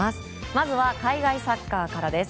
まずは海外サッカーからです。